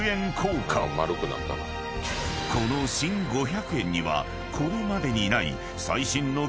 ［この新５００円にはこれまでにない］